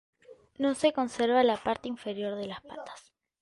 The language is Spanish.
No se conserva la parte inferior de las patas.